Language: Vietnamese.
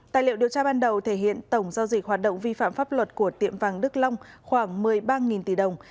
tài liệu điều tra ban đầu thể hiện tổng giao dịch hoạt động vi phạm pháp luật của tiệm vàng đức long khoảng một mươi ba tỷ đồng